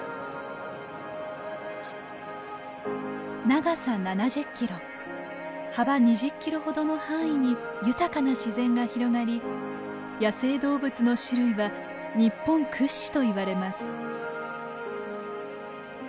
長さ７０キロ幅２０キロほどの範囲に豊かな自然が広がり野生動物の種類は日本屈指といわれます。